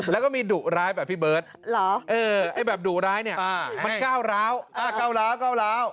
แล้วก็มีดุร้ายแบบพี่เบิร์ตแบบดุร้ายเนี่ยมันก้าวร้าว